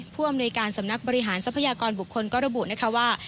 พ่วงการสำนักบริหารทรัพยากรบุคคลกรบุนะครัวว่า